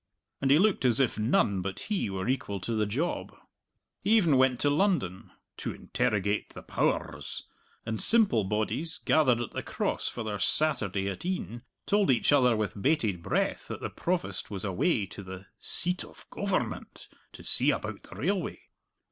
and he looked as if none but he were equal to the job. He even went to London (to interrogate the "Pow ers"), and simple bodies, gathered at the Cross for their Saturday at e'en, told each other with bated breath that the Provost was away to the "seat of Goaver'ment to see about the railway."